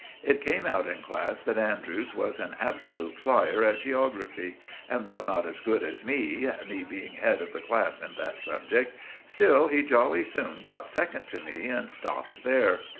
It came out in class that Andrews was an absolute flyer at geography, and though not as good as me—me being head of the class in that subject—still he jolly soon got second to me and stopped there.